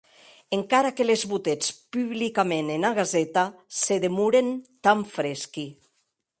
Encara que les botetz publicament ena Gaceta, se demoren tan fresqui.